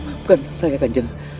maafkan saya kanjeng